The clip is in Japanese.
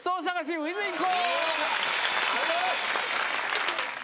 ありがとうございます！